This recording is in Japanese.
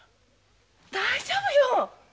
大丈夫よ！